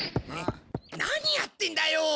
何やってんだよ。